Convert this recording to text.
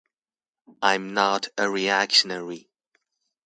I'm not a reactionary.